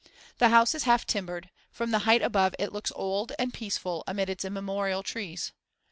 The house is half timbered; from the height above it looks old and peaceful amid its immemorial trees.